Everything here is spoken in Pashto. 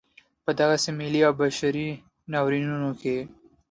په دغسې ملي او بشري ناورینونو کې.